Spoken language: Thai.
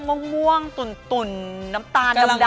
ว่าม่วงตุ่นน้ำตาลดำมา